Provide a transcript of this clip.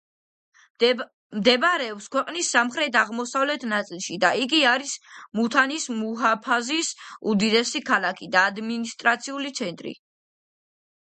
მდებარეობს ქვეყნის სამხრეთ-აღმოსავლეთ ნაწილში და იგი არის მუთანის მუჰაფაზის უდიდესი ქალაქი და ადმინისტრაციული ცენტრი.